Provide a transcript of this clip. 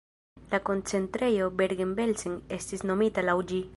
La koncentrejo Bergen-Belsen estis nomita laŭ ĝi.